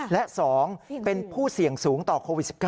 และ๒เป็นผู้เสี่ยงสูงต่อโควิด๑๙